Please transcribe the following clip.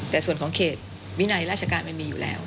แต่ส่วนของเขตวินัยราชการมันมีอยู่แล้ว